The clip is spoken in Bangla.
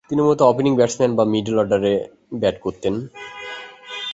তিনি মূলত ওপেনিং ব্যাটসম্যান বা মিডল অর্ডারে ব এত করতেন।